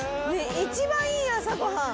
一番いい朝ご飯！